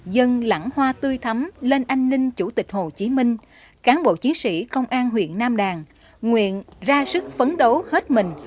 dân lãng hoa tươi thấm lên an ninh chủ tịch hồ chí minh cán bộ chiến sĩ công an huyện nam đàn nguyện ra sức phấn đấu hết mình